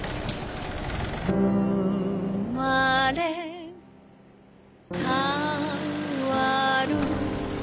「うまれかわる」